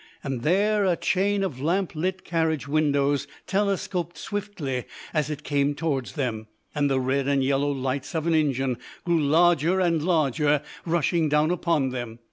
And there a chain of lamp lit carriage windows telescoped swiftly as it came towards them, and the red and yellow lights of an engine grew larger and larger, rushing down upon them.